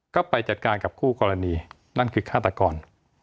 ก็ไปจัดการกับคู่กรณีนั่นคือฆาตกร